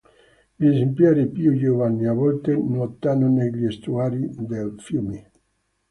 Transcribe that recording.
Gli esemplari più giovani a volte nuotano negli estuari dei fiumi.